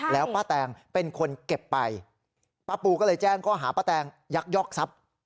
แล้วป้าแตงเป็นคนเก็บไปป้าปูก็เลยแจ้งข้อหาป้าแตงยักยอกทรัพย์